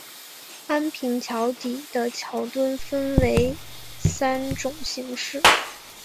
安平桥底的桥墩分三种形式。